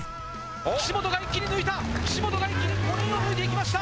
岸本が一気に抜いた、岸本が一気に５人を抜いていきました。